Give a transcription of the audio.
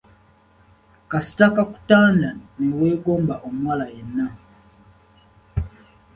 Kasita kakutanda ne weegomba omuwala yenna.